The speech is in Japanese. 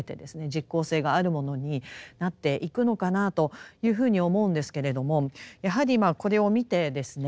実効性があるものになっていくのかなというふうに思うんですけれどもやはりこれを見てですね